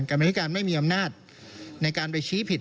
กรรมธิการไม่มีอำนาจในการไปชี้ผิด